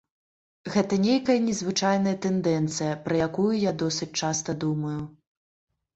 Гэта нейкая незвычайная тэндэнцыя, пра якую я досыць часта думаю.